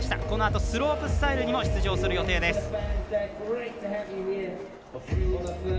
このあとスロープスタイルにも出場する予定です。